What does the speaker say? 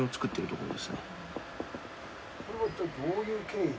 これは一体どういう経緯で？